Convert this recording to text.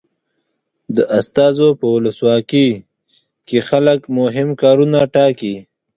د استازو په ولسواکي کې خلک مهم کارونه ټاکي.